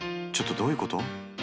ちょっとどういうこと？